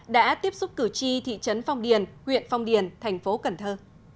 đã tiếp xúc cử tri thị trấn phong điền huyện phong điền thành phố cần thơ